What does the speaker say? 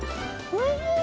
おいしい？